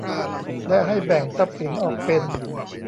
และให้แบ่งทรัพย์สินออกเป็น